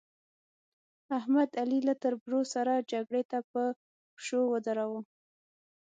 احمد؛ علي له تربرو سره جګړې ته په پشو ودراوو.